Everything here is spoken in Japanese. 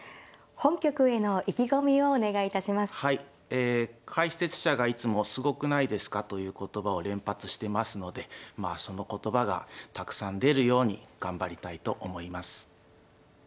ええ解説者がいつも「すごくないですか」という言葉を連発してますのでまあその言葉がたくさん出るように頑張りたいと思います。